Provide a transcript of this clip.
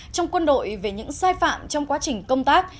trong quân đội về những sai phạm trong quá trình công tác